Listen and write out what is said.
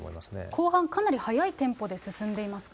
公判、かなり速いテンポで進んでいますか。